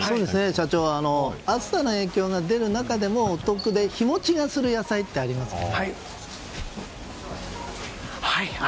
社長、暑さの影響が出る中でもお得で日持ちがする野菜ってありますか？